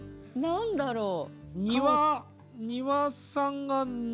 何だろう？